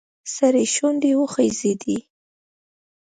سړي شونډې وخوځېدې.